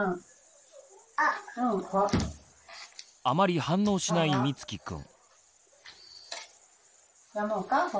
あまり反応しないみつきくん。